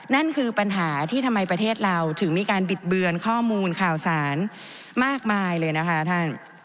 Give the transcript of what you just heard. นั่นคือปัญหาที่ทำไมประเทศเราถึงมีการบิดเบือนข้อมูลข่าวสารมากมายเลยนะคะท่าน